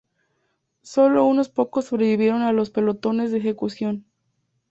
Sólo unos pocos sobrevivieron a los pelotones de ejecución.